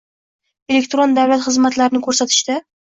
elektron davlat xizmatlarini ko‘rsatishda